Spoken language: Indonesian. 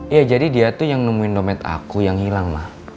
ya jadi dia tuh yang nemuin dompet aku yang hilang lah